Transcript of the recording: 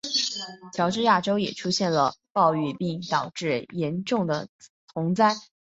乔治亚州也出现了暴雨并导致严重洪灾。